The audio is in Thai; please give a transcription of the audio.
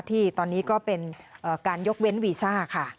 ที่ตอนนี้ก็เป็นการยกเว้นวีซ่าค่ะ